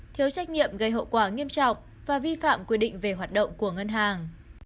thiếu trách nhiệm gây hậu quả nghiêm trọng và vi phạm quy định về hoạt động của ngân hàng